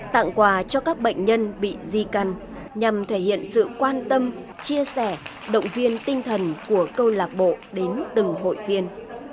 tặng quà cho các bệnh nhân bị di căn nhằm thể hiện sự quan tâm chia sẻ động viên tinh thần của câu lạc bộ đến từng hội viên